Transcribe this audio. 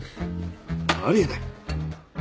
あり得ない！